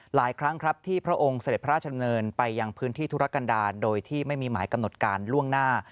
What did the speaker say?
หลายครั้งครับที่พระองค์เสด็จพระราชดำเนินไปยังพื้นที่ธุรกันดาลโดยที่ไม่มีหมายกำหนดการล่วงหน้า